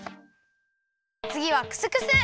つぎはクスクス！